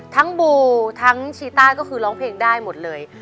บูทั้งชีต้าก็คือร้องเพลงได้หมดเลย